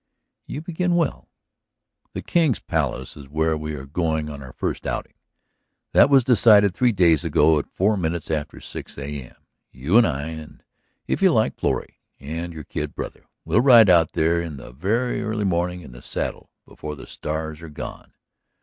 "You begin well." "The King's Palace is where we are going on our first outing. That was decided three days ago at four minutes after 6 A.M. You and I and, if you like, Florrie and your kid brother. We'll ride out there in the very early morning, in the saddle before the stars are gone.